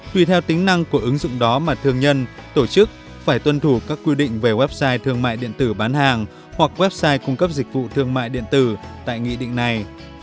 tùy theo tính năng của ứng dụng đó mà thương nhân tổ chức phải tuân thủ các quy định về website thương mại điện tử bán hàng hoặc website cung cấp dịch vụ thương mại điện tử tại nghị định này